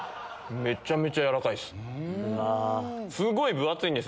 めっちゃめちゃやわらかいです。